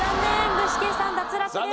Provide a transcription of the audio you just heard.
具志堅さん脱落です。